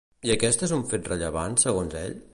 I aquest és un fet rellevant, segons ell?